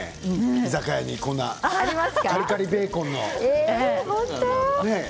居酒屋にねカリカリベーコンのね。